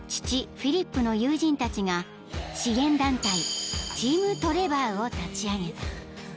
フィリップの友人たちが支援団体チームトレバーを立ち上げた］